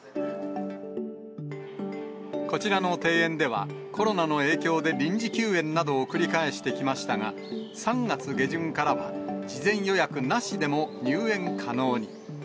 こちらの庭園では、コロナの影響で臨時休園などを繰り返してきましたが、３月下旬からは事前予約なしでも入園可能に。